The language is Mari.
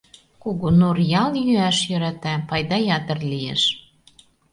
Кугунур ял йӱаш йӧрата, пайда ятыр лиеш.